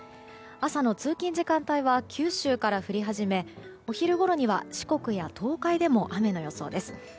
朝の通勤時間帯は九州から降り始めお昼ごろには四国や東海でも雨の予想です。